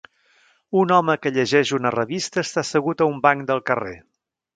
Un home que llegeix una revista està assegut a un banc del carrer.